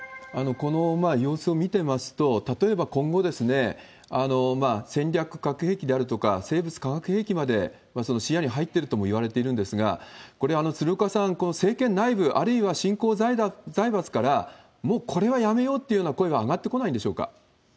この様子を見てますと、例えば今後、戦略核兵器であるとか、生物化学兵器まで視野に入ってるともいわれているんですが、これ、鶴岡さん、政権内部、あるいは新興財閥から、もうこれはやめようっていう声は上がってこないんでしょうか？